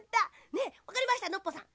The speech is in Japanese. ねえわかりましたノッポさん